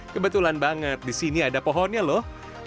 kebetulan banget di sini ada pohonnya lho